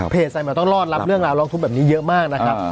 เพจไซมัลต้องรอดรับเรื่องราวรองทุนแบบนี้เยอะมากนะครับ